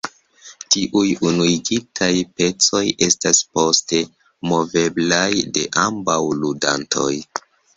Tiuj unuigitaj pecoj estas poste moveblaj de ambaŭ ludantoj.